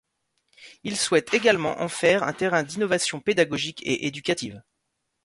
Ils souhaitent également en faire un terrain d'innovations pédagogiques et éducatives.